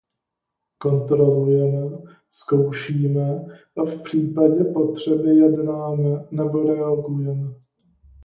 Kontrolujeme, zkoušíme a v případě potřeby jednáme nebo reagujeme.